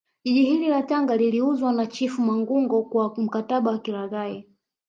Jiji hili la Tanga liliuzwa na chifu mangungo kwa mkataba wa kilaghai